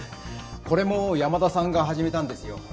これも山田さんが始めたんですよ。